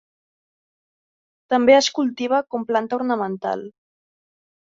També es cultiva com planta ornamental.